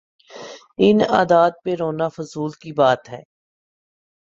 ان عادات پہ رونا فضول کی بات ہے۔